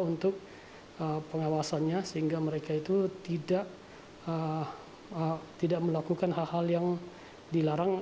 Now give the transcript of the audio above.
untuk pengawasannya sehingga mereka itu tidak melakukan hal hal yang dilarang